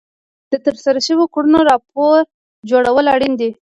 د ترسره شوو کړنو راپور جوړول اړین دي.